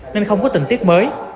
nên không có tình tiết mới